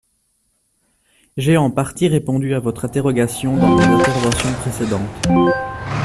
J’ai en partie répondu à votre interrogation dans mes interventions précédentes.